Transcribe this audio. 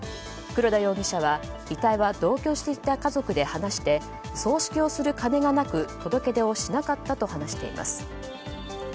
黒田容疑者は、遺体は同居していた家族と話していて葬式をする金がなく届出をしなかったと話しています。